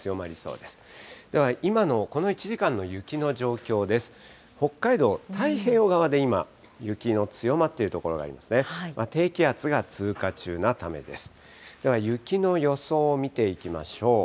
では雪の予想を見ていきましょう。